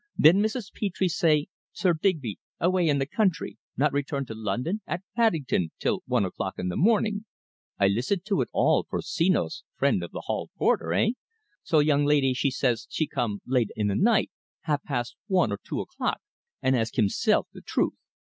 Then Mrs. Petre say, Sir Digby away in the country not return to London at Paddington till one o'clock in the morning. I listen to it all, for Senos friend of the hall porter eh? So young laidee she says she come late in the night half past one or two o'clock and ask himself the truth.